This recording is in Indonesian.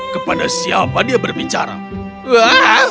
kepada siapa dia berbicara